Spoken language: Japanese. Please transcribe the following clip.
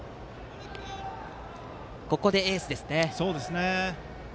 ここでエースですね。